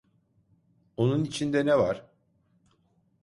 Onun içinde ne var?